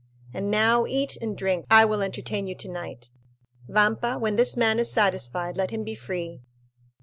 And now eat and drink; I will entertain you tonight. Vampa, when this man is satisfied, let him be free."